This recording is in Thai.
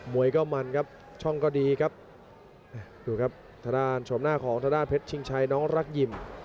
วยก็มันครับช่องก็ดีครับดูครับทางด้านชมหน้าของทางด้านเพชรชิงชัยน้องรักยิม